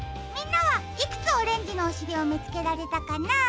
みんなはいくつオレンジのおしりをみつけられたかな？